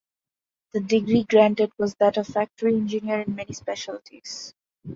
The degree granted was that of Factory Engineer in many specialties.